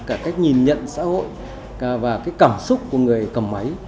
cả cách nhìn nhận xã hội và cái cảm xúc của người cầm máy